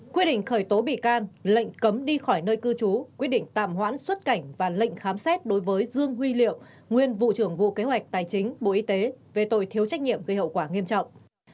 quyết định khởi tố bị can lệnh cấm đi khỏi nơi cư trú quyết định tạm hoãn xuất cảnh và lệnh khám xét đối với dương huy liệu nguyên vụ trưởng vụ kế hoạch tài chính bộ y tế về tội thiếu trách nhiệm gây hậu quả nghiêm trọng